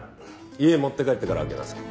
家持って帰ってから開けなさい。